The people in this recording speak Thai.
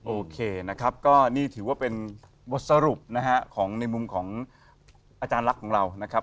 โอเคนะครับก็นี่ถือว่าเป็นบทสรุปนะฮะของในมุมของอาจารย์ลักษณ์ของเรานะครับ